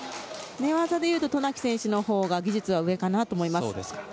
寝技でいうと渡名喜選手のほうが技術が上かと思います。